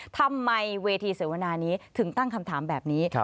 ทำไมเวทีเสวนานี้ถึงตั้งคำถามแบบนี้ครับ